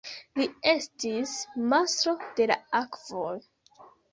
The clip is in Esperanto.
Li estis "Mastro de la akvoj".